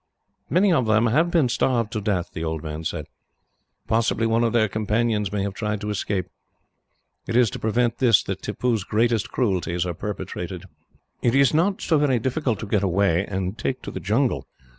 "Many of them have been starved to death," the old man said. "Possibly one of their companions may have tried to escape. It is to prevent this that Tippoo's greatest cruelties are perpetrated. It is not so very difficult to get away, and take to the jungle.